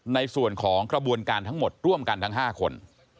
ในส่วนของกระบวนการทั้งหมดร่วมกันทั้ง๕คน